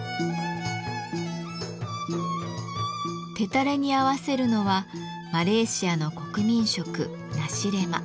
テタレに合わせるのはマレーシアの国民食「ナシレマ」。